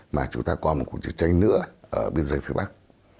mà chúng ta còn một cuộc chiến tranh nữa ở biên giới phía bắc